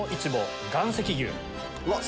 うわっ！